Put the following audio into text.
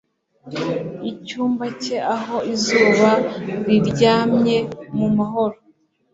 Icyumba cye aho izuba riryamye mu mahoro